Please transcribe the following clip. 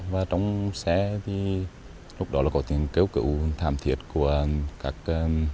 và trong xe thì lúc đó là có tiếng kêu cứu thảm thiệt của các